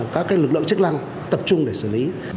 các lực lượng chức năng tập trung để xử lý